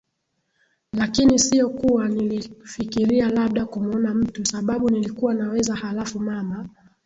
lakini sio kuwa nilifikiria labda kumuona mtu Sababu nilikuwa naweza Halafu mama